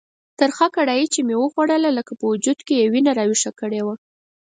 ترخه کړایي چې مې وخوړله لکه په وجود کې یې وینه راویښه کړې وه.